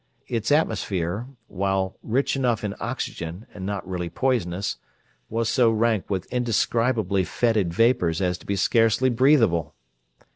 Its atmosphere, while rich enough in oxygen and not really poisonous, was so rank with indescribably fetid vapors as to be scarcely breathable.